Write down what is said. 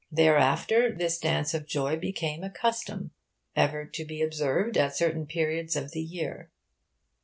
Thereafter this dance of joy became a custom, ever to be observed at certain periods of the year.